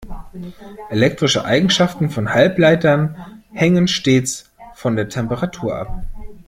Elektrische Eigenschaften von Halbleitern hängen stets von der Temperatur ab.